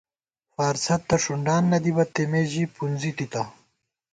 فارڅھد تہ ݭُندان نہ دِبہ، تېمے ژِی پُونزِی تِتہ